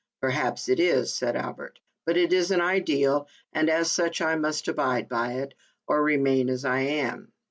" Perhaps it is," said Albert, "but it is an ideal, and as such I must abide by it, or remain as I am."